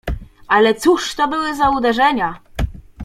"Ale cóż to były za uderzenia!"